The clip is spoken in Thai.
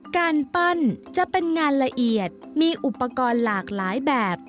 การปั้นจะเป็นงานละเอียดมีอุปกรณ์หลากหลายแบบ